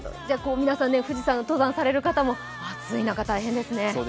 皆さん、富士山を登山される方も暑い中、大変ですね。